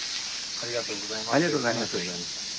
ありがとうございます。